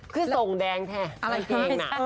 คือศูงแดงแห้ะซังเตงอ่ะ